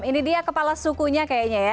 ini dia kepala sukunya kayaknya ya